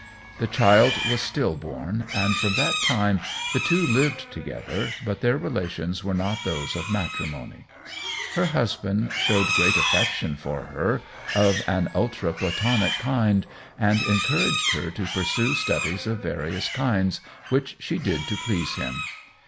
The child was still born, and from that time the two lived together, but their relations were not those of matrimony. Her husband showed great affection for her of an ultra platonic kind, and encouraged her to pursue studies of various kinds, which she did to please him.